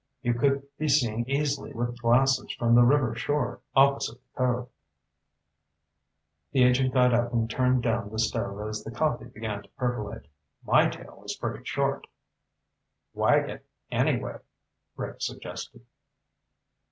You could be seen easily with glasses from the river shore opposite the cove." The agent got up and turned down the stove as the coffee began to percolate. "My tale is pretty short." "Wag it, anyway," Rick suggested.